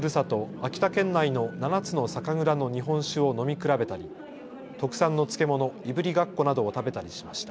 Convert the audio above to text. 秋田県内の７つの酒蔵の日本酒を飲み比べたり、特産の漬物、いぶりがっこなどを食べたりしました。